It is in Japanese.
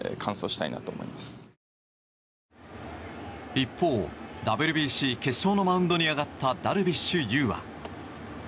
一方、ＷＢＣ決勝のマウンドに上がったダルビッシュ有は。